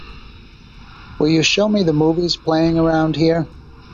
Will you show me the movies playing around here?